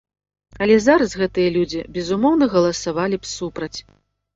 Але зараз гэтыя людзі, безумоўна, галасавалі б супраць.